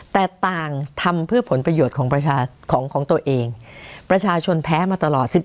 แต่ต่างทำเพื่อผลประโยชน์ของประชาชนของตัวเองประชาชนแพ้มาตลอด